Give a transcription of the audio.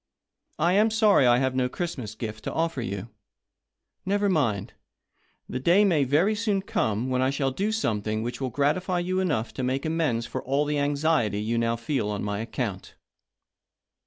I am sorry I have no Christmas gift to offer you. Never mind — the day may very soon come when I shall do something which will gratif y you enough to make amends for all the anxiety you now feel on my account."